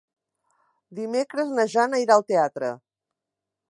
Dimecres na Jana irà al teatre.